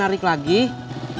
kamu dari mana narik